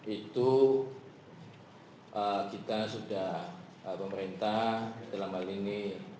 itu kita sudah pemerintah dalam hal ini